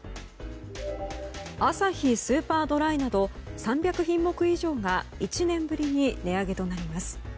アサヒスーパードライなど３００品目以上が１年ぶりに値上げとなります。